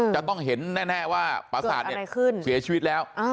จะต้องเห็นแน่ว่าประสาทเสียชีวิตแล้ว